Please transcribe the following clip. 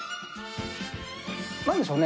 なんでしょう